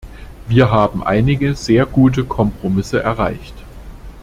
Wir haben einige sehr gute Kompromisse erreicht.